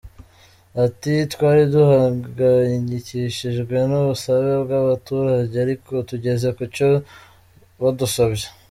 Ati “Twari duhaganyikishijwe n’ubusabe bw’abatuturage ariko tugeze ku cyo badusabye.